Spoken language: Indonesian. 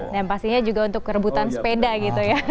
dan pastinya juga untuk kerbutan sepeda gitu ya